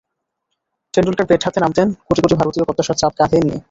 Tendulkar bat হাতে নামতেন কোটি কোটি ভারতীয়র প্রত্যাশার চাপ কাঁধে নিয়ে।